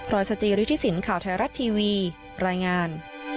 รอยสจริษฐศิลป์ข่าวไทยรัฐทีวีรายงาน